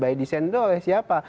by design itu oleh siapa